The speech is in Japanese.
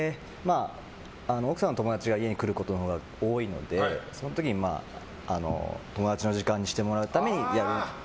奥さんの友達が家に来ることのほうが多いのでその時に、友達の時間にしてもらうためにやる。